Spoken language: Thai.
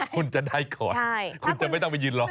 คุณจะได้ก่อนคุณจะไม่ต้องไปยืนรอ